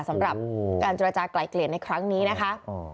สำหรับการเจรจากลายเกลี่ยในครั้งนี้นะคะ